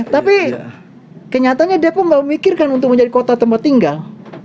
tapi kenyataannya depok memikirkan untuk menjadi kota tempat tinggal